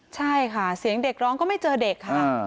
ใช่ค่ะเสียงเด็กร้องก็ไม่เจอเด็กค่ะ